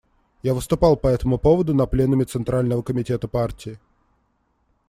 Я выступал по этому поводу на пленуме Центрального Комитета партии.